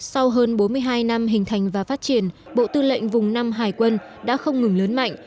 sau hơn bốn mươi hai năm hình thành và phát triển bộ tư lệnh vùng năm hải quân đã không ngừng lớn mạnh